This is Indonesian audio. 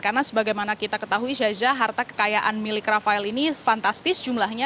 karena sebagaimana kita ketahui sajja harta kekayaan milik rafael ini fantastis jumlahnya